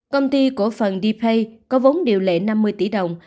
công ty cổ phần d pay có vốn điều lệ năm mươi tỷ đồng